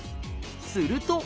すると。